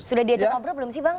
sudah diajak ngobrol belum sih bang